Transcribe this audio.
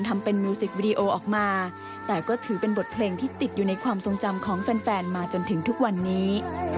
แต่ก็ถือเป็นบทเพลงที่ติดอยู่ในความทรงจำของแฟนมาจนถึงทุกวันนี้